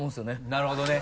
なるほどね。